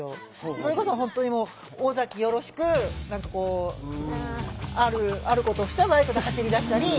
それこそ本当にもう尾崎よろしく何かこうあることをしてはバイクで走りだしたり。